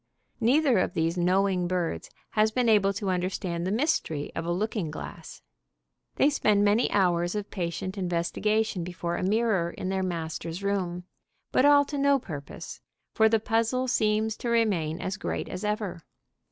Neither of these knowing birds has been able to understand the mystery of a looking glass. They spend many hours of patient investigation before a mirror in their master's room, but all to no purpose, for the puzzle seems to remain as great as ever.